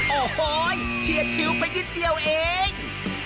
โอ้โหเฉียดชิวไปนิดเดียวเอง